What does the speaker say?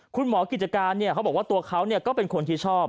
คุณหมอกิจการเขาบอกว่าตัวเขาก็เป็นคนที่ชอบ